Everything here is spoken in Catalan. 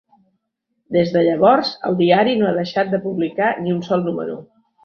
Des de llavors, el diari no ha deixat de publicar ni un sol número.